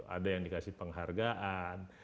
ada yang dikasih penghargaan